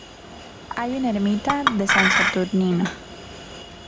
Hay una ermita de San Saturnino.